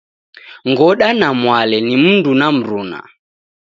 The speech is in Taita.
Ngoda na Mwale ni mundu na mruna.